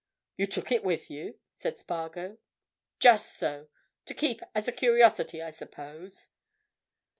"You took it with you?" said Spargo. "Just so. To keep as a curiosity, I suppose?"